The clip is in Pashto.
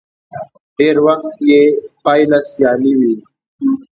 ډېری وخت يې پايله سیالي وي.